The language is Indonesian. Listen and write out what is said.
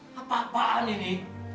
nadia apa apaan ini